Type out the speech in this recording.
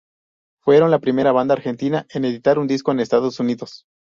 Fueron la primera banda argentina en editar un disco en Estados Unidos.